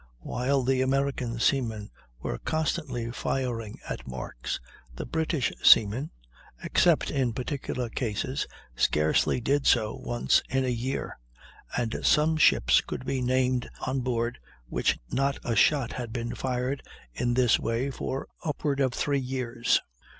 While the American seamen were constantly firing at marks, the British seamen, except in particular cases, scarcely did so once in a year; and some ships could be named on board which not a shot had been fired in this way for upward of three years.